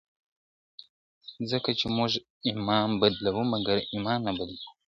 ځکه چي موږ امام بدلوو مګر ایمان نه بدلوو `